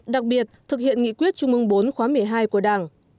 đặc biệt thực hiện nghị quyết chung mương bốn khóa một mươi hai của đảng